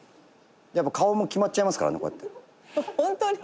「やっぱ顔も決まっちゃいますからねこうやって」「ホントに？」